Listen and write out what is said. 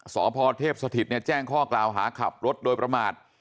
สพเทพสถิตแจ้งข้อกล่าวหาขับรถโดยประมาท